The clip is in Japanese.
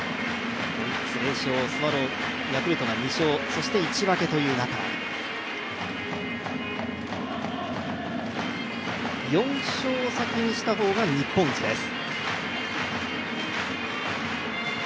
オリックス０勝、ヤクルトが２勝そして１分けという中、４勝を先にした方が日本一です。